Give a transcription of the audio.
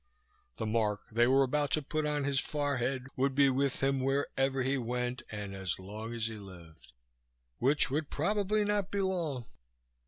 The mark they were about to put on his forehead would be with him wherever he went and as long as he lived, which would probably not be long.